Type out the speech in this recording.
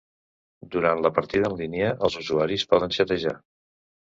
Durant la partida en línia els usuaris poden xatejar.